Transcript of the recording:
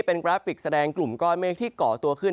เป็นกราฟิกแสดงกลุ่มก้อนเมฆที่เกาะตัวขึ้น